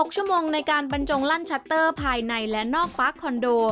๖ชั่วโมงในการบรรจงลั่นชัตเตอร์ภายในและนอกฟ้าคอนโด